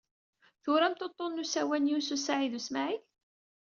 Turamt uḍḍun n usawal n Yunes u Saɛid u Smaɛil?